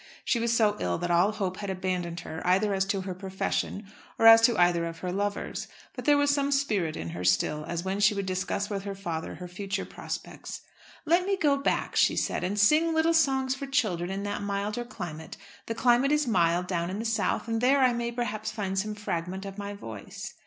She was so ill that all hope had abandoned her either as to her profession or as to either of her lovers. But there was some spirit in her still, as when she would discuss with her father her future projects. "Let me go back," she said, "and sing little songs for children in that milder climate. The climate is mild down in the South, and there I may, perhaps, find some fragment of my voice."